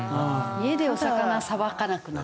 家でお魚さばかなくなった。